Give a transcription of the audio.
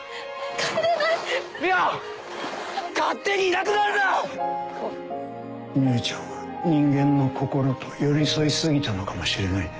海音ちゃんは人間の心と寄り添い過ぎたのかもしれないね。